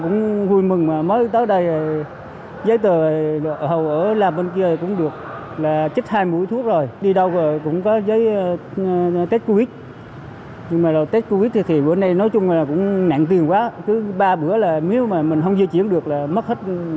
nhưng mà cũng nạn tiền quá thứ ba bữa là nếu mà mình không di chuyển được là mất hết hai trăm chín mươi